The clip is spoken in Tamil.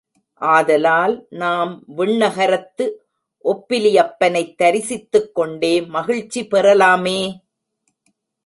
ஆதலால் நாம் விண்ணகரத்து ஒப்பிலியப்பனைத் தரிசித்துக் கொண்டே மகிழ்ச்சி பெறலாமே.